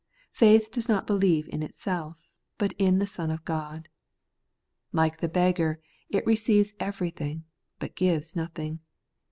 Faith does not believe in itself, but in the Son of God. Like the beggar, it receives everything, but gives nothing.